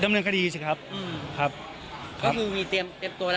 ดำเนินคดีใช่ไหมครับครับก็คือมีเตรียมตัวแล้ว